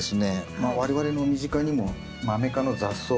我々の身近にもマメ科の雑草